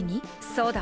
そうだ。